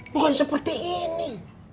bukan seperti ini